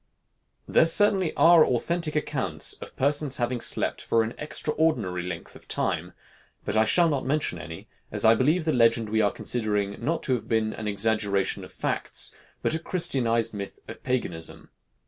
There certainly are authentic accounts of persons having slept for an extraordinary length of time, but I shall not mention any, as I believe the legend we are considering, not to have been an exaggeration of facts, but a Christianized myth of paganism.